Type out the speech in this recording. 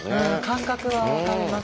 感覚は分かりますね。